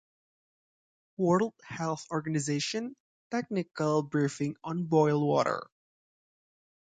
World Health Organization Technical Briefing on Boil Water